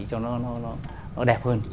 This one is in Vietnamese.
cho nó đẹp hơn